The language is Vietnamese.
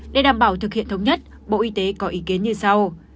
để đảm bảo thực hiện thống nhất bộ y tế có ý kiến như sau